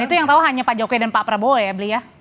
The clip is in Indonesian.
dan itu yang tahu hanya pak jokowi dan pak prabowo ya beli ya